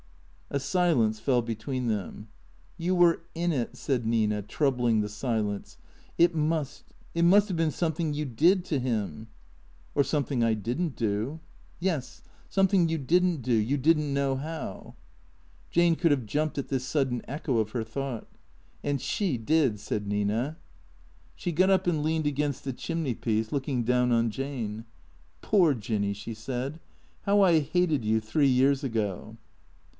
A silence fell between them. " You were in it," said Nina, troubling the silence. " It must — it must have been something you did to him." " Or something I did n't do." " Yes. Something you did n't do. You did n't know how." Jane could have jumped at this sudden echo of her thought. "And she did," said Nina. She got up and leaned against the chimney piece, looking down on Jane. " Poor Jinny," she said. " How I hated you three years ago."